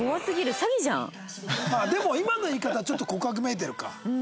でも今の言い方ちょっと告白めいてるか。